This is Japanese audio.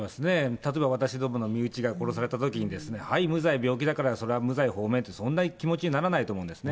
例えば私どもの身内が殺されたときに、はい、無罪、病気だからそれは無罪放免って、そんな気持ちにならないと思うんですね。